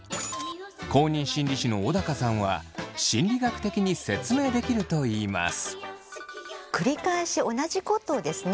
公認心理師の小高さんは心理学的に説明できるといいます。